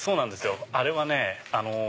あれはね